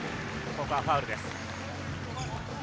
ここはファウルです。